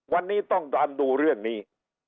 วันนี้ต้องตามดูเรื่องนี้